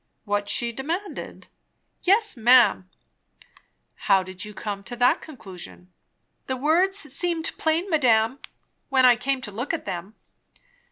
"What she demanded?" "Yes, ma'am." "How did you come to that conclusion?" "The words seemed plain, madame, when I came to look at them.